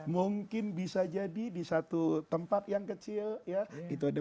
mungkin jadi di tempat yang lain